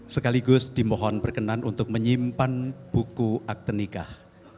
sekaligus dimohon berkenan untuk menyimpan buku akte nikah